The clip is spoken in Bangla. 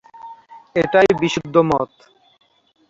এটাই বিশুদ্ধ মত।